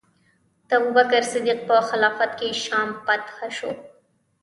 د ابوبکر صدیق په خلافت کې شام فتح شو.